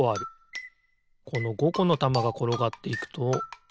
この５このたまがころがっていくとあながあるな。